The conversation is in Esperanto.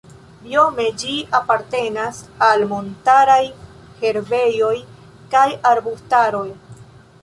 Biome ĝi apartenas al montaraj herbejoj kaj arbustaroj.